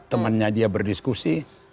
temannya dia berdiskusi